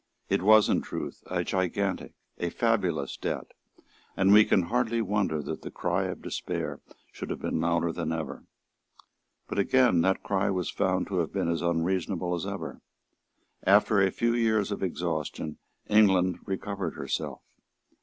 It was in truth a gigantic, a fabulous debt; and we can hardly wonder that the cry of despair should have been louder than ever. But again that cry was found to have been as unreasonable as ever. After a few years of exhaustion, England recovered herself.